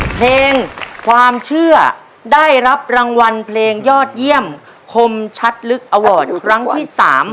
เพลงความเชื่อได้รับรางวัลเพลงยอดเยี่ยมคมชัดลึกอวอร์ดครั้งที่๓